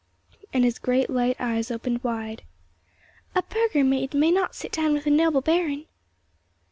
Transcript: and his great light eyes opened wide. "A burgher maid may not sit down with a noble baron."